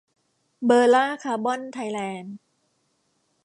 เบอร์ล่า คาร์บอน ไทยแลนด์